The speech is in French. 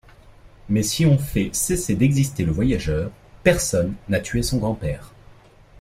Mais si on fait cesser d'exister le voyageur, personne n'a tué son grand-père.